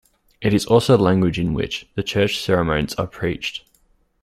It is also the language in which the church sermons are preached.